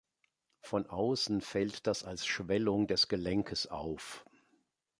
Von außen fällt das als Schwellung des Gelenkes auf.